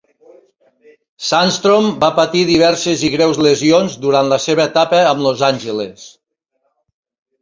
Sandstrom va patir diverses i greus lesions durant la seva etapa amb Los Angeles.